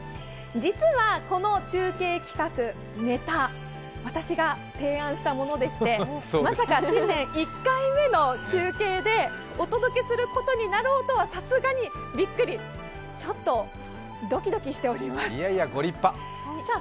実はこの中継企画、ネタ、私が提案したものでしてまさか新年１回目の中継でお届けすることになろうとはさすがにびっくり、ちょっとドキドキしております。